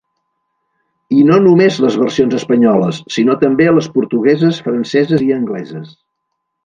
I no només les versions espanyoles, sinó també les portugueses, franceses i angleses...